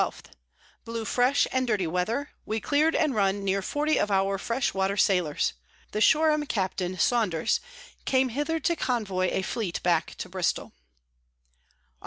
_ Blew fresh, and dirty Weather; we clear'd and run near forty of our fresh water Sailors. The Shoreham, Capt. Saunders, came hither to convoy a Fleet back to Bristol. _Aug.